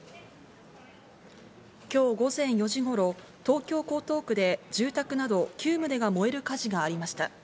今日午前４時頃、東京・江東区で住宅など９棟が燃える火事がありました。